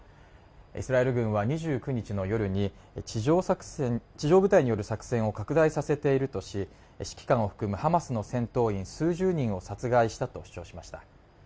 イスラエル軍は２９日の夜に地上部隊による作戦を拡大させているとし指揮官を含むハマスの戦闘員数十人を殺害したと主張しました